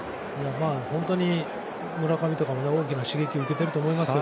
本当に村上とか大きな刺激を受けてると思いますよ。